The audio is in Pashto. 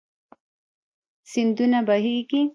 سيندونه بهيږي